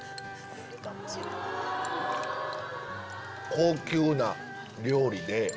高級な料理で。